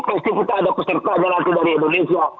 pasti kita ada peserta dari indonesia